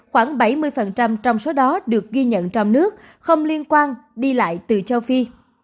khoảng bảy mươi trong số đó được ghi nhận trong nước không liên quan đi lại từ châu phi